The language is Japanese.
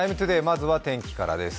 まずは天気からです。